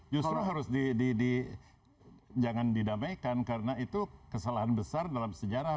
justru harus jangan didamaikan karena itu kesalahan besar dalam sejarah